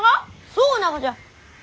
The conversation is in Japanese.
そうながじゃ！